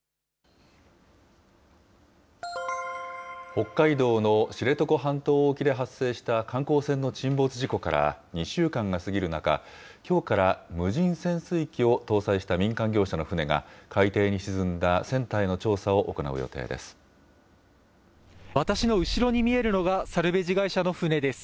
北海道の知床半島沖で発生した観光船の沈没事故から２週間が過ぎる中、きょうから無人潜水機を搭載した民間業者の船が、海底に沈んだ船体の調査を行う予定です。